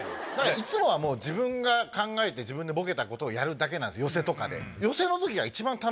いつもは自分が考えて自分でボケたことをやるだけなんですよ